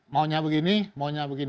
maunya begini maunya begini